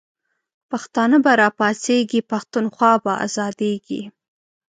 پښتانه به راپاڅیږی، پښتونخوا به آزادیږی